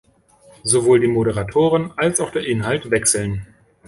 Sowohl die Moderatoren als auch der Inhalt wechseln.